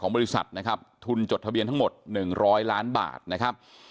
บริษัทนะครับทุนจดทะเบียนทั้งหมด๑๐๐ล้านบาทนะครับ